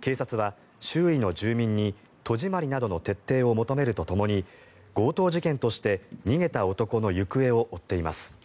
警察は、周囲の住民に戸締まりなどの徹底を求めるとともに強盗事件として逃げた男の行方を追っています。